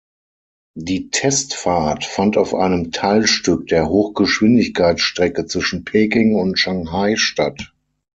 Die Testfahrt fand auf einem Teilstück der Hochgeschwindigkeitsstrecke zwischen Peking und Shanghai statt.